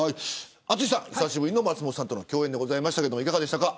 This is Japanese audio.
淳さん、久しぶりの松本さんとの共演ですがいかがでしたか。